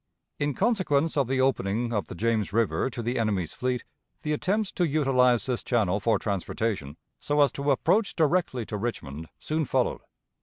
In consequence of the opening of the James River to the enemy's fleet, the attempts to utilize this channel for transportation, so as to approach directly to Richmond, soon followed.